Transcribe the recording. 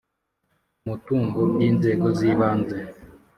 umutungo by inzego z ibanze